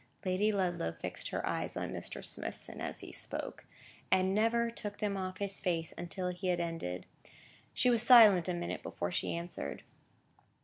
Lady Ludlow fixed her eyes on Mr. Smithson as he spoke, and never took them off his face until he had ended. She was silent a minute before she answered.